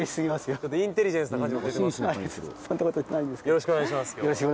よろしくお願いします